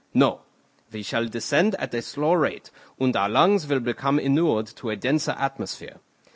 "No; we shall descend at a slow rate, and our lungs will become inured to a denser atmosphere.